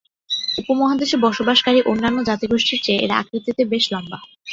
উপমহাদেশে বসবাসকারী অন্যান্য জাতিগোষ্ঠীর চেয়ে এরা আকৃতিতে বেশ লম্বা।